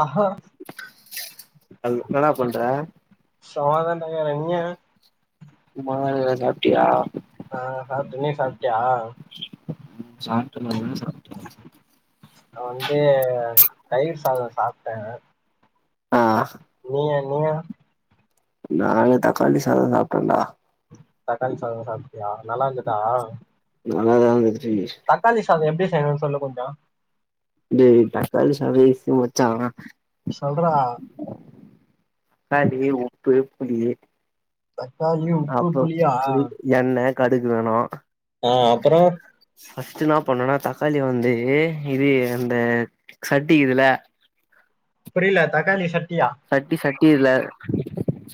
ஆஹா அது என்னடா பண்ற சமாதான இருக்க நீங்க சும்மதா இருக்க சாப்ட்டியா ஆ சாப்ட்ட நீ சாப்ட்டியா ம் சாப்ட்ட மதியான சாப் நா வந்து தயிர் சாத சாப்ட்ட ஆ லோகா லோகா நாங்க தக்காளி சாதோ சாப்ட்டோன்டா தக்காளி சதொ சாப்ட்டியா நல்லா இருந்ததா நல்லாதா இருந்துச்சு தக் தக்காளி சாதொ எப்டி செய்ணே சொல்லு கொஞ்சோ டோய் தக்காளி சாதெ ஈசி மச்சா சொல்றா தக்களி உப்பு புளி தக்காளி உப்பு அப்றோ புளியா புளி எண்ணெ கடுகு வேணோ ஆ அப்புறோ ஃபர்ஸ்ட் நா பண்ணோனா தக்காளி வந்து இது அந்த சட்டி கீதுல புரியல தக்காளி சட்டியா சட்டி சட்டி இல்ல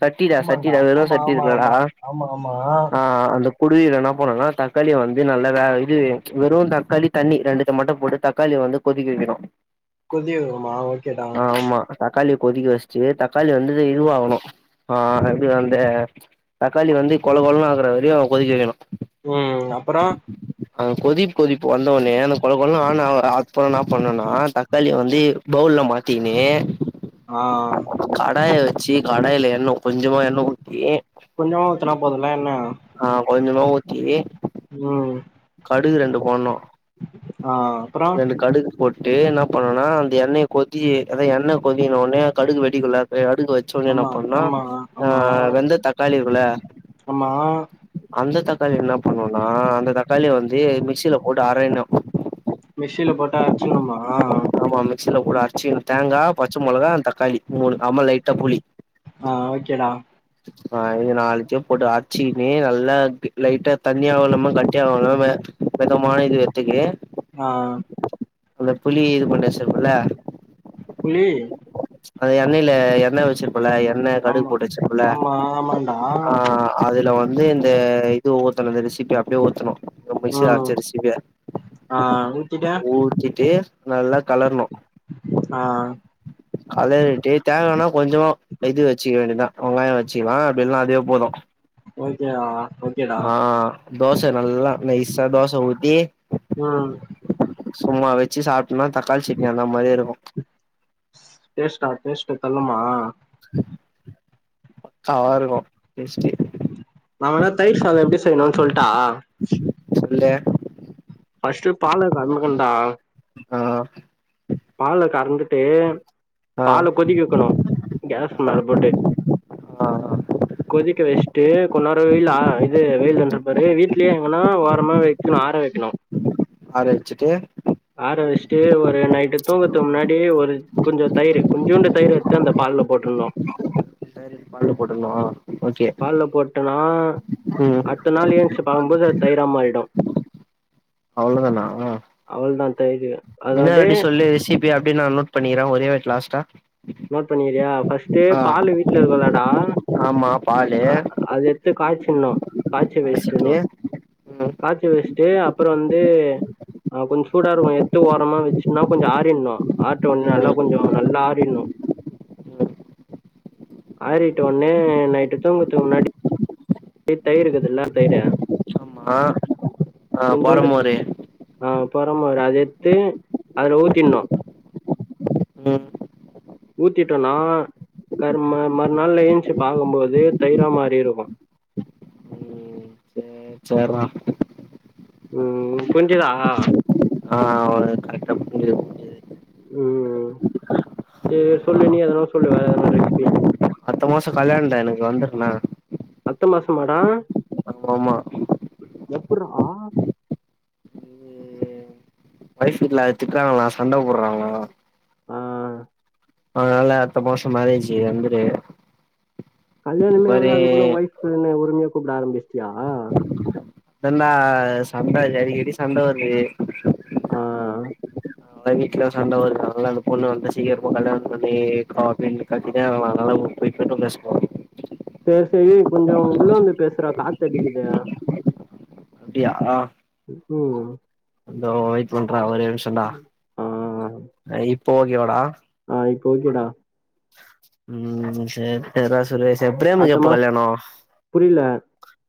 சட்டிடா ஆமாண்டா சட்டிடா வெறூ ஆமா சட்டி ஆமா இருக்கு இல்லடா ஆமா ஆமா ஆமா ஆ அந்தக் குடுவில்ல என்னா போனோன்னா தக்காளிய வந்து நல்லா வே இது வெறூ தக்காளி தண்ணி ரெண்டுத்த மட்டு போட்டு தக்காளிய வந்து கொதிக்க வெக்கினோ கொதிக்க வெக்கினமா ஓகேடா தக்காளிய கொதிக்க வெஸ்சிட்டு தக்காளி வந்து இதுவாகணும் ஆ அது அந்த தக்காளி வந்து கொள கொளன்னு ஆக்குற வரைக்கூ கொதிக்க வெக்கணோ ம் அப்றோ ம் அ கொதிப் கொதிப் வந்தவுட்னே அந்த கொள கொளன்னூ ஆன அப்புறோ நா பண்ணோனா தக்காளிய வந்து பவுல்ல மாத்திக்கின்னூ ஆ கடாய வெச்சி கடாயில எண்ணெ கொஞ்சமா எண்ணே ண ‌ஊத்தி கொஞ்சமா ஊத்துனா போதுல என்ன ஆ கொஞ்சமா ஊத்தி ம் கடுகு ரெண்டு பேட்ணோ ஆ அப்பறோ ரெண்டு கடுகு போட்டு என்னா பண்ணோனா அந்த எண்ணெய கொதி அதா எண்ணெ கொதிக்ன உட்னே கடுகு வெடிக்குள்ளா கடுகு வெச்சுட்னே என்னா ஆமா பண்ணோ ஆமா ஆ ஆமா வெந்த தக்காளி இருக்குல்ல ஆமா அந்த தக்காளி என்ன பண்ணோன்னா அந்த தக்காளி வந்து மிக்சியில போட்டு அரைனோ மிகசில போட்டு அட்ச்சின்னுமா ஆமா மிக்சியில கூட அரைச்சு தேங்கா பச்ச மெளகா அந் தக்காளி மூனு அம்மோ லைட்டா புளி ஆ ஓகேடா [inaudible] ஆ இது நாலுத்தியூ போட்டு அர்ச்சிக்குனு நல்லா லைட்டா தண்ணியாவூ இல்லாம கட்டியாவூ இல்லாம வெதாமா இது எத்துக்கு ஆ அந்த புளி இது பண்டு வெச்சிருப்பே இல்ல புளியீ அது எண்ணெய்ல எண்ணெ வெச்சிருப்போல்ல ஆ எண்ணே கடுகு ஆமா போட்டு வெச்சிருப்போல்ல ஆமா ஆமாண்டா ஆ அதுல வந்து இந்த இது ஊத்தணூ இந்த ரெசிபி அப்டியே ஊத்தணூ மிக்ஸில ம் அரச் எடுஸ்ட்டீங்க ஆ ஊத்திட்ட ஊத்திட்டு நல்லா களர்ணு ஆ களரிட்டே தேங்கெண்ண கொஞ்சமா இது வெச்சிக்க வேண்டியதா வெங்காயோ வெச்சிக்கலா அப்டில்லனா அதே போது ஓகேவா ஆ தோச நல்லா நைசா தோச ஊத்தி ம் சும்மா வெச்சி சாப்ட்டினா தக்காளி சட்னி அந்த மாரியே இருக்கு டேஸ்ட்டா டேஸ்ட்டு தள்ளுமா பக்காவா இருக்கு டேஸ்ட்டு நா வேணா தயிர் சாதோ எப்டி செய்ணுன் சொல்ட்டா சொல்லு ஃபஸ்ட் பாலு கறந்துக்கணுன்டா கா பால கறந்துட்டு ஆ பால கொதிக்க வெக்கணு கேஸு ஆ மேல போட்டு ஆ கொதிக்க வெஸ்ட்டு கொஞ் நேரோ வெய்ல்ல அ இது வெயிலுன்றபாரு வீட்லயே எங்கனா ஓரமா வெக்கணு ஆற வெக்கணு ஆற வெச்சிட்டு ஆற வெஸ்ட்டு ஒரு நைட்டு தூங்கறத்துக் முன்னாடி ஒரு கொஞ்சோ தயிரு கொஞ்சோண்டு தயிர எட்த்து அந்த பால்ல போட்ருணு தயிர் எத்து பால்ல போட்ருனுமா பால்ல போட்டன்னா ம் அட்த்த நாள் ஏந்ச்சி பாக்கும் போது அது தயிரா மாறிடு அவ்ளோ தானா அவ்வள் தா இன்னோரு வாட்டி சொல்லு ரெசிப்பி அப்டியே நா நோட் பண்ணிகிறே ஒரே வாட் லாஸ்ட்டா நோட் பண்ணிகிறியா ஃபஸ்ட்டு ஆ பாலு வீட்ல இருக்குல்லடா ஆமா பாலு அ அது எத் து காய்ச்சணு காய்ச்சி வெஸ்கிணு காய்ச்சிட்டு ம் காச்சி வெஸ்ட்டு அப்பறோ வந்து ஆ கொஞ் சூடா இருக்கு எத்து ஓரமா வெச்டினா கொஞ்சோ ஆறிர்ணு ஆறிட்ட ஒன்னே நல்லா ம் கொஞ்சோ நல்லா ஆறிர்ணு ம் ஆறிட்ட ஒன்னே நைட்டு தூங்கற்த்துக் முன்னாடி [unintelligible] தயிருக்குதுல்ல தயிரு ஆமா ஆ கொஞ்சோண்டு பொறமோரு ஆ பொறமோர் அத எத்து அதுல ஊத்திர்ணு ம் ஊத்திட்டோனா கரு ம மறுநாள் ல ஏந்ச்சி பாக்கம்போது தயிரா மாரிருக்கு எ சேர்ரா ம் புஞ்சிதா ஆ ஒழுங் கரக்ட்டா புஞ்சிது புஞ்சிது ம் செரி சொல்லு நீ எதனா சொல்லு வேற எதனா ரெசிப்பி அத்த மாசோ கல்யாண்டா எனக்கு வந்துரு என்ன அத்த மாசமாடா ஆமாமா எப்புட்றா இது ஒய்ஃப் வீட்ல திட்றாங்ளா சண்ட போட்றாங்க ஆ அதுனால அத்த மாசோ மேரேஜு வந்துரு இந்த கல்யாணமே மாரி ஆவல அதுக்குள்ள ஒய்ஃப்னு ரொம்போ உரிமையா கூப்ட ஆரம்பிஸ்ட்டியா அதான்டா சண்ட அடிக்கடி சண்ட வர்து ஆ அவுங்க வீட்ல சண்ட வர்து அதுனால் அந்த பொண்ணு வந்து சீக்கிரமா கல்யாணம் பண்ணிக்கே அவுங்க வீட்ல கத்தினேக்றாங்ளா [unintelligible] ஒய்ஃப்னுதா பேஸ்வோ சேர் சேரி கொஞ்ச உள்ள வந்து பேஸ்ர்றா காத்தடிக்கிது அப்டியா [unintelligible] தோ வெயிட் பண்றா ஒரே நிம்ஷன்டா ஆ இப்ப ஓகேவாடா ஆ இப்ப ஓகே டா ம் சேரி சேர் டா சுரேஷு பிரேமுக்கு அத்த எப்போ மாச கல்யாணோ புரில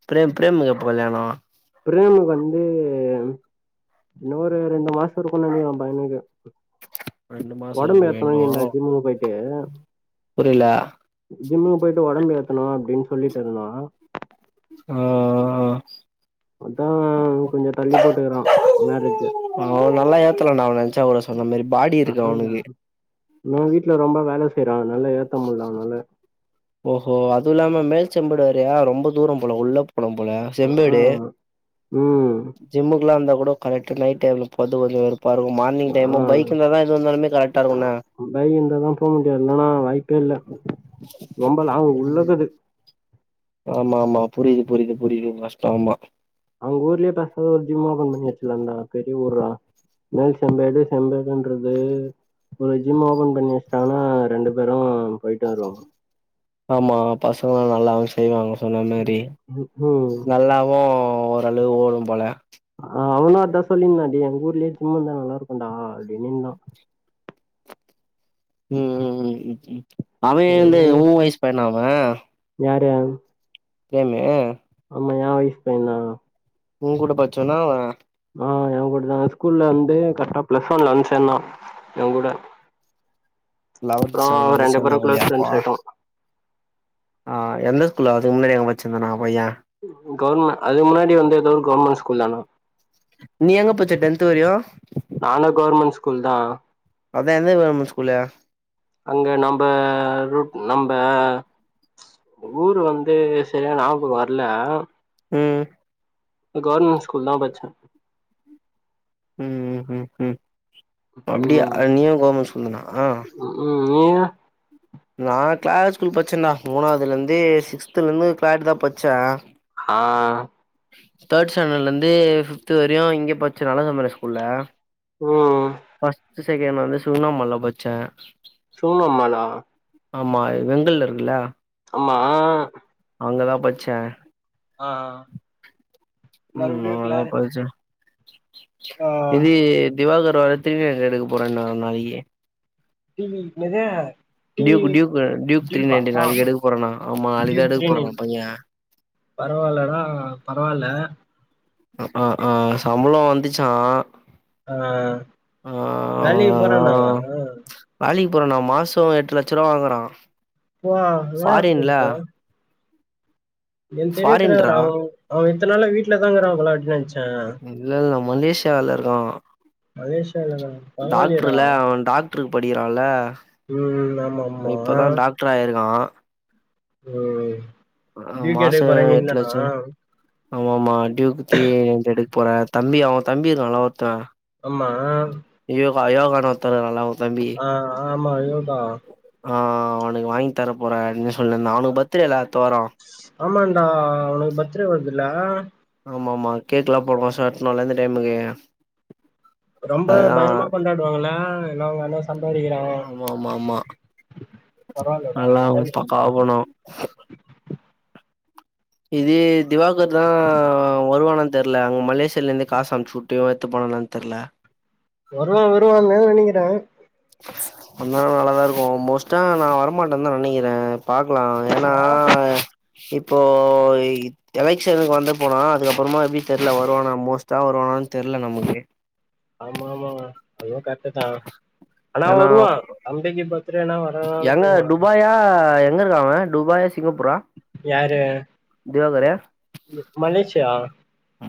பிரேம் பிரேமுக்கு எப்போ கல்யாணோ பிரேமுக்கு வந்து இன்னு ஒரு ரெண்டு மாசோ இருக்குன் நெனைக்கிறே அவே பையனுக்கு ரெண்டு மாசோ ஒடம்பு ஆகுமா இன்னு ஏத்தணுன்னுந்தா ஜிம்முக்கு போயிட்டு புரில ஜிம்முக்கு போயிட்டு ஒடம்பு ஏத்தணு அப்டின்னு சொல்லிட்டு இருந்தா ஆ ஆ அதா கொஞ்சோ தள்ளி போட்டுக்குறா மேரேஜ அவே நல்லா ஏத்தலா டா அவே நெனைச்சா கூட சொன்ன மாரி பாடி இருக்கு அவனுக்கு ஓ வீட்ல ரொம்ப வேல செய்றா அதனால ஏத்த முடில அவனால ஓஹோ அதுவு இல்லாம மேல் செம்புடு வேறயா ரொம்போ தூரோ போல உள்ள ப்பலா போல ஆ செம்பேடு ம் ஜிம்முக்குலா இந்தா கூட கரெக்டு நைட்டு அவுனுக்கு போறதுக்கு கொஞ்சோ வெறுப்பா இருக்கு மார்னிங் டைமு பைக்கு இருந்தா தா எது இந்தாலுமே கரெக்டா இருக்கு என ஒர் பைக் இருந்தா தா போ முடியு இல்லன்னா வாய்ப்பே இல்ல ரொம்ப லாங் உள்ளக்குது ஆமா ஆமா புரியுது புரியுது புரியுது கஷ்டோ ஆமா அவுங்க ஊர்லே பேசத ஒரு ஜிம் ஓப்பன் பண்ணி வெச்சிர்லான் டா பெரிய ஊர்ரா மேல் செம்பேடு செம்பேடுன்றது ஒரு ஜிம்மு ஓப்பன் பண்ணி வெச்ட்டாங்னா ரெண்டு பேரு போயிட்டு வருவோ ஆமா பசங்கலா நல்லாவே செய்வாங்க சொன்னா மேரி ம், ம் நல்லாவு ஓரளவு ஓடு போல ஆ அவனு அதா சொல்லிருந்தா டே எங்க ஊர்லயே ஜிம்மு இந்தா நல்லாருக்கு டா அப்டின்னிந்தா ம் ம் ம் அவே சரி எந்த ஊ வய்சு பையனா அவே யாரு பிரேமு ஆமா யா வய்சு பையந்தா ஊங்கூட பச்சவனா அவே ஆ ஏங்கூட தா ஸ்கூல்ல வந்து கர்டா பிளஸ் ஒன்ல வந் சேந்தா ஏங்கூட லவன்த் ஸ்டேன்டர்ல வந்து ரெண்டு சேந்தா பேரும் க்ளோஸ் புல்லயா அப்பா ஃப்ரெண்ட்ஸ் ஆயிட்டோம் ஆ எந்த ஸ்கூல்ல அதுக்கு முன்னாடி எங்க படிச்சிந்தானா பையே கவுர்ம அதுக் முன்னாடி வந்து எதோ ஒரு கவுர்மெண்ட் ஸ்கூல் ஆனா நீ எங்க பச்ச டென்த்து வரையு நானூ கவர்மெண்ட் ஸ்கூல் தா அதா எந்த கவுர்மென்ட் ஸ்கூல்லு அங்க நம்ப ரூ நம்ப ஊரு வந்து செரியா ஞாபகோ வர்ல ம் கவுர்மென்ட் ஸ்கூல் தா பச்சே ம் ம் ம் அப்டியா ம் நீயு கவர்மெண்ட் ஸ்கூல் தானா ம் நீங்க நா கிளாரா ஸ்கூல் பச்சேன்டா மூணாதுலேந்தே சிக்ஸ்துலந்து கிளார்லா தா பட்ச்சே ஆ தேட் ஸ்டாண்டட்லந்து ஃபிஃப்து வரையு இங்க பச்சே அழகர்மலை ஸ்கூல்ல ஒ ஃபஸ்ட்டு செகேண் வந்து சுகுணாமாள்ல பச்சே சுகுணாம்மாள்லா ஆமா வெங்கல்ல இருக்குல ஆமா அங்கதா பட்ச்சே அ ம் அங்கதா பட்ச்ச ஆ இந்தி திவாகர் வேற த்ரீ நைன்ட்டி எடுக்க போறேன்னா நாளைக்கி டிவிக் இன்னாது Duke Duke Duke three ninety நாளிக் எடுக்க போறானா ஆமா நாளிக் டியூப் எடுக் த்ரீ போறனா நைன் பைய பரவால்லடா பரவால்ல ஆ ஆ சம்பளோ வந்துச்சா ஆ ஆ வேலைக்கு போறானா அவன் வேலிக் போறானா மாசோ எட்டு லட்சருவா வாங்குறா ப்பா இன்னாடா ஃபாரின்ல சொல்ற என்க் தெரிவே ஃபாரின்ரா தெரியாதுடா அவ அவ இத்தன் நாளா வீட்லதாகிறாம்போல அப்டி நென்ச்சே இல்ல இல்ல மலேசியாவில இருக்கான் மலேஷியாலனா டாக்ட்ருல அவ டாக்டருக் படிக்கிறால ம் ஆமா ஆமா இப்பதா டாக் ட்ராயிருக்கா ஒ ஆ ட்யூக் எடுக்கப்போறன் இன்னனா ஆமா ஆமா டியூக்கு த்ரீ எடுக் போறே தம்பி அவே தம்பி இருக்கான்ல ஒருத்த ஆமா யோகா யோகான் ஒருத்த இருக்குறான்ல அவந்தம்பி ஆ ஆமா யோகா ஆ அவனுக்கு வாய்ங்தர போற அப்டினு சொல்னிந்தா அவனுக்கு பர்த்துடேல அட்த்த வாரோ ஆமான்டா அவனுக்கு பர்த்ரே வருதுல்ல ஆமா ஆமா கேக்குலா போனா வர்ஷோ வெட்னோல இந்த டைமுக்கு ரொம்ப அதுதா பயங்ரமா கொண்டாடுவாங்கள எல்லா அவுங்க அண்ணா சம்பாறிக்கிறா அல்லா அவுங் இஸ்டோ [unintelligible] இது திவாகர்தா வருவானான் தெர்ல அங்க மலேசியலெந்தே காசு அம்ச்சுவுட்டு இவ எத்துப்பானா இன்னான் தெர்ல வருவா வருவாந்தா நெனைக்கிறே வந்தானா நல்லாதா இருக்கு மோஸ்ட்டா நா வரமாட்டாந்தா நெனைக்கிறே பாக்கலா ஏனா இப்போ ஒ இ எலெக்ஷனுக்கு வந்து போனா அதுக்கப்புறமா எப்டி தெர்ல வருவானா மோஸ்ட்டா வருவானான் தெர்ல நமக்கு ஆமா ஆமாங்க அதுவு கர்ட்டுதா ஆனா ஏன்னா வருவா தம்பிக்கு பர்த்துறேனா வரதான் செய்வாங்க அ எங்க இருக்கா அவ துபாயா சிங்கப்பூரா யாரு திவாகரு மலேசியா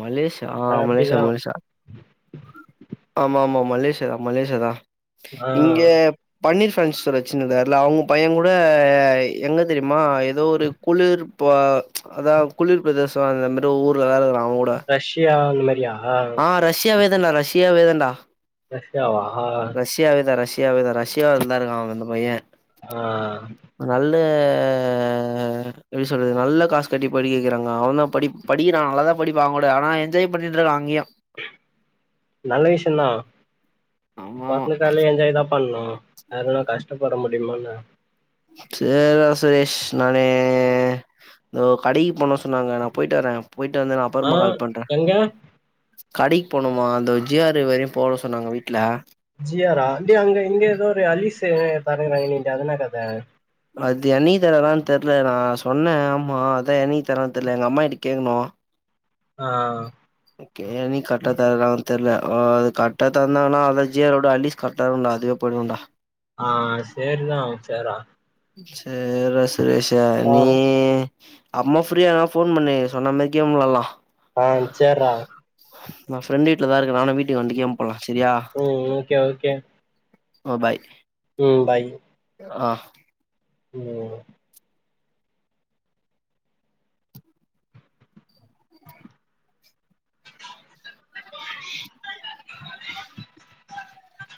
மலேசியா ஆ அஹ் மலேசியா அப்படிதான் மலேஷா ஆமா ஆமா மலேஷா மலேசியாதா இங்கே ஆஹ் பன்னீர் ஃபேன்ஸி ஸ்டோர் வெச்சினிருந்தாருல அவுங்க பையங்கூட எங்க தெரியுமா எதோ ஒரு குளிர்ப அதா குளிர் பிரதேசோ அந்த மேரி ஊர்ல தா இருக்குறா அவங்கூட ரஷ்யா அந்த மாரியா ஆ ரஷ்யாவே தாண்டா ரஷ்யாவே தாண்டா ரஷ்யாவா ரஷ்யாவேதா ரஷ்யாவே தா ரஷ்யால தாருக்கா அவுங்க அந்த பையெ ஆ நல்ல எப்டி சொல்றது நல்ல காசு கட்டி படிக்க வக்கிறாங்க அவன்தா படி படிக்கிறா நல்லா தா படிப்பா அவங்கூட ஆனா என்ஜாய் பண்ணிட்ருக்கா அங்கியு நல்ல விஷ்யந்தா ஆமா ஆமா [unintelligible] என்ஜாய்தா பண்ணு அதல்லா கஷ்டப்பட முடிமான்ன சேரிடா சுரேஷ் நானு ந்தோ கடைக்கு போனு சொன்னாங்க நா போய்ட்டு வரே போய்ட்டு வந்து நா அப்பறமா ஆஹ் கால் பண்றே எங்க கடைக்போனுமா அந்த ஜியாறு வரையு போற சொன்னாங்க வீட்ல ஜியாரா டே அங்க இங்க எதோரு அலிஸு தரேராங்க நீன்ட்ட அது ன்னா கத அது என்னிக்கி தரரான் தெர்ல நா சொன்னே ஆமா அதா என்னிக்கு தரா தெர்ல எங்கம்மாகிட்ட கேக்கனு ஆ கே நீ கட்டா தரராங் தெர்ல ஆ அது கட்டா தந்தாங்னா அது ஜியாரோட அலீஸ் கர்ட்டாருக்குடா அதயே பண்ணுவோன்டா ஆ சேரிதா சேரா சேர்ரா சுரேஷு நீ ஆஹ் அப்மா ப்ரீயானா ஃபோன் பண்ணு சொன்ன மாரி கேம் வெளாலா ஆ சேர்ரா நா ஃப்ரெண்டு வீட்லதாருக்கே நானு வீட்டுக்கு வன்ட்டு கேம் போலா செரியா ம் ஓகே ஓகே ஓ பாய் ம் பாய் ஆ ம் [inaudible]